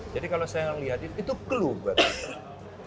jadi kalau saya yang lihat itu itu clue buat saya